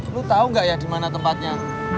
lu tau gak ya di mana tempatnya